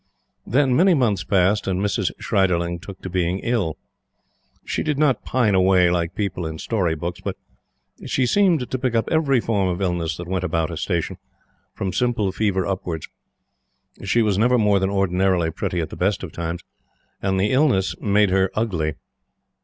Then many months passed, and Mrs. Schreiderling took to being ill. She did not pine away like people in story books, but she seemed to pick up every form of illness that went about a station, from simple fever upwards. She was never more than ordinarily pretty at the best of times; and the illness made her ugly.